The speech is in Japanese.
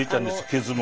傷も。